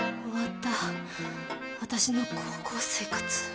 終わった私の高校生活。